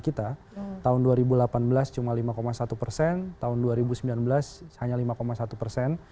kita tahun dua ribu delapan belas cuma lima satu persen tahun dua ribu sembilan belas hanya lima satu persen